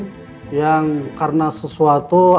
mengenai rem yang karena sesuai dengan kemampuan